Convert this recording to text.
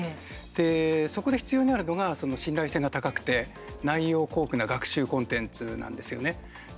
で、そこで必要になるのが信頼性が高くて内容豊富な学習コンテンツなんですよね。